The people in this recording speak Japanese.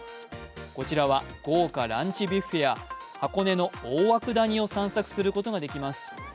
こちらは豪華ランチビュッフェや箱根の大涌谷を散策することができます。